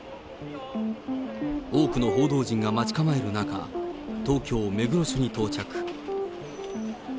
多くの報道陣が待ち構える中、東京・目黒署に到着。